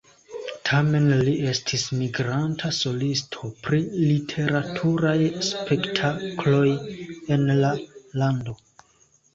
Tamen li estis migranta solisto pri literaturaj spektakloj en la lando.